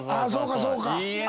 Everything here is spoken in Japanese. そうかそうか。